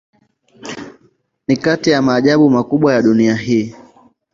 Ni kati ya maajabu makubwa ya dunia hii.